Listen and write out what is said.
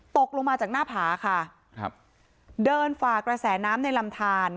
ตกลงมาจากหน้าผาค่ะครับเดินฝากระแสน้ำในลำทาน